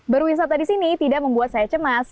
berwisata di sini tidak membuat saya cemas